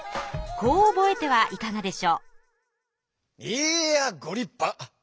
こう覚えてはいかがでしょう？